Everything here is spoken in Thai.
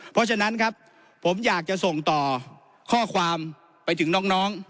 เพราะฉะนั้นครับผมอยากจะส่งต่อข้อความไปถึงน้อง